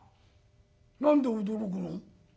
「何で驚くの？